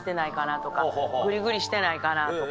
グリグリしてないかなとか。